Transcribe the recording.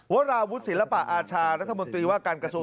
วราวุฒิศิลปะอาชารัฐมนตรีว่าการกระทรวง